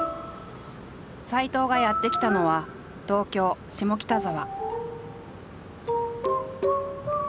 斎藤がやって来たのは東京下北沢。